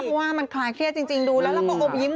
ความว่ามันคลายเครียดจริงดูแล้วก็อบยิ้ม